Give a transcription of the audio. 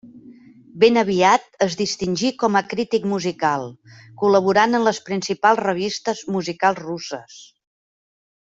Ben aviat es distingí com a crític musical, col·laborant en les principals revistes musicals russes.